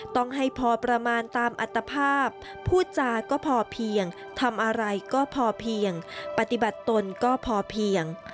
ต้องให้พอประมาณตามอัตภาพพูดจาก็พอเพียงทำอะไรก็พอเพียงปฏิบัติตนก็พอเพียง